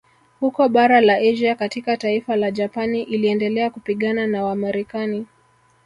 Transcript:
Huko bara la Asia katika taifa la Japani iliendelea kupigana na Wamarekani